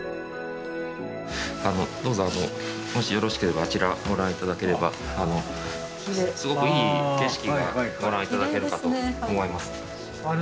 どうぞあのもしよろしければあちらご覧頂ければすごくいい景色がご覧頂けるかと思います。